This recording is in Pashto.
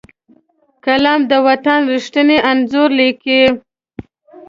قلم د وطن ریښتیني انځور لیکي